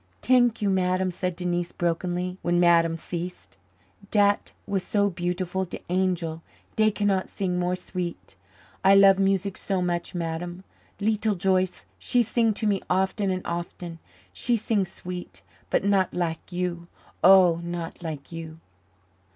"T'ank you, Madame," said Denise brokenly, when Madame ceased. "Dat was so beautiful de angel, dey cannot sing more sweet. I love music so much, Madame. Leetle Joyce, she sing to me often and often she sing sweet, but not lak you oh, not lak you."